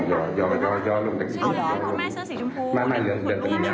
เอาหรอคุณแม่เสื้อสีชมพู